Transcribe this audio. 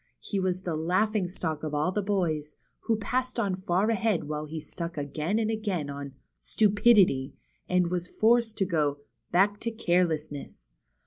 He was the laughing stock of all the boys, who passed on far ahead while he stuck again and again on " Stupidity," and was forced to go back to Careless ness."